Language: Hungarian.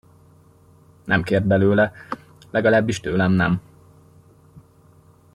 Nem kért belőle, legalábbis tőlem nem.